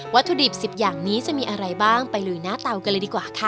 ถุดิบ๑๐อย่างนี้จะมีอะไรบ้างไปลุยหน้าเตากันเลยดีกว่าค่ะ